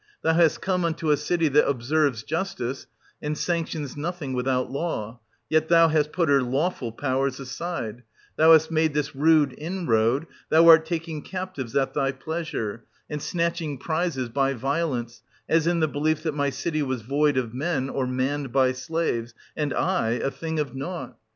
Thou hast come unto a city that observes justice, and sanctions nothing without law, — yet thou hast put her lawful powers aside, — thou hast made this rude inroad, — thou art taking captives at thy pleasure, and snatching prizes by violence, as in the belief that my city was void of men, or manned by slaves, and I — a thing of nought.